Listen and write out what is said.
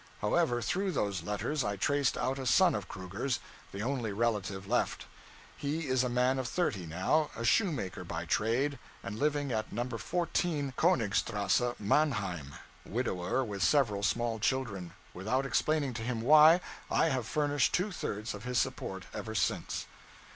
However, through those letters, I traced out a son of Kruger's, the only relative left. He is a man of thirty now, a shoemaker by trade, and living at No. 14 Konigstrasse, Mannheim widower, with several small children. Without explaining to him why, I have furnished two thirds of his support, ever since.